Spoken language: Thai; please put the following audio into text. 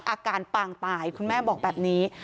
อาการปางตายคุณแม่บอกแบบนี้